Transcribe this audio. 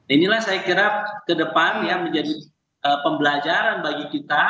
inilah saya kira ke depan yang menjadi pembelajaran bagi kita